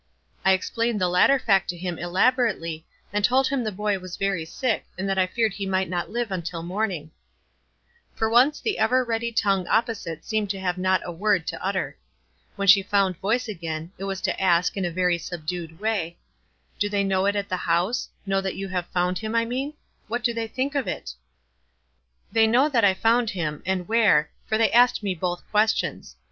"I explained the latter fact to him elaborate ly, and told him the boy was very sick, and that I feared he might not live until morning." WISE AND OTHERWISE. 25 For once tho ever ready tongue opposite seemed to have not a word to utter. When she found voice again, it was to ask, in a very subdued way, — "Do they know it at the house — know that you have found him, I mean? What do they think of it?" "They know that I found him — and where — for they asked me both questions.